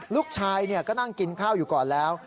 ลูกชายก็นั่งกินข้าวอยู่ก่อนแล้ว